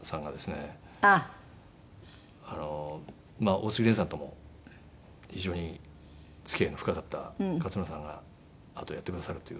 大杉さんとも非常に付き合いの深かった勝村さんがあとをやってくださるという。